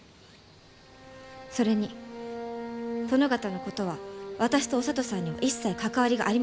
それに殿方のことは私とお聡さんには一切関わりがありませんから。